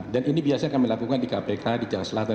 dan ini biasanya kami lakukan di kpk di jalan selatan